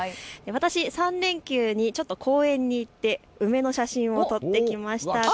私、３連休に公園に行って梅の写真を撮ってきました。